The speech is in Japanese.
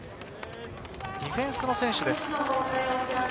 ディフェンスの選手です。